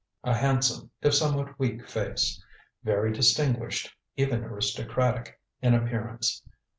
A handsome, if somewhat weak face. Very distinguished even aristocratic in appearance.